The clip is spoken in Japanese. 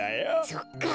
そっか。